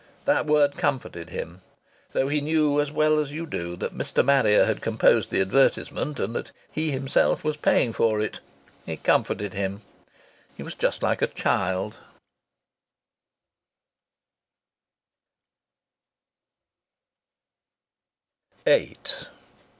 That word comforted him. Though he knew as well as you do that Mr. Marrier had composed the advertisement, and that he himself was paying for it, it comforted him. He was just like a child.